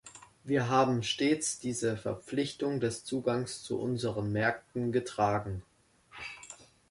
Wir haben stets diese Verpflichtung des Zugangs zu unseren Märkten getragen.